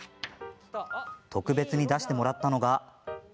特別に出してもらったのが。